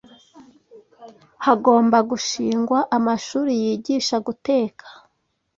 hagomba gushingwa amashuri yigisha guteka